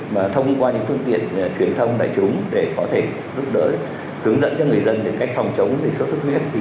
và thông qua những phương tiện truyền thông đại chúng để có thể giúp đỡ hướng dẫn cho người dân về cách phòng chống dịch sốt xuất huyết